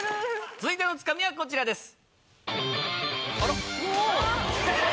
続いてのツカミはこちらです。